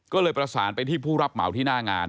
ก็เลยประสานไปที่ผู้รับเหมาที่หน้างาน